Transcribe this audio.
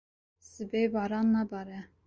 Sibê baran nabare.